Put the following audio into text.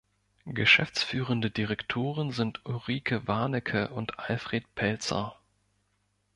Geschäftsführende Direktoren sind Ulrike Warnecke und Alfred Pelzer.